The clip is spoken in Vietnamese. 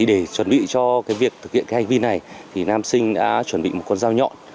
để chuẩn bị cho việc thực hiện hành vi này nam sinh đã chuẩn bị một con dao nhọn